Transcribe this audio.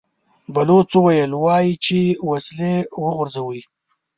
بلوڅ وويل: وايي چې وسلې وغورځوئ!